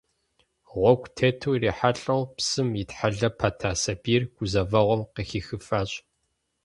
Гъуэгу тету ирихьэлӏэу псым итхьэлэ пэта сабийр гузэвэгъуэм къыхихыфащ.